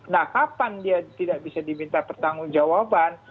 nah kapan dia tidak bisa diminta pertanggung jawaban